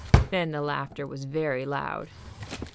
Then the laughter was very loud.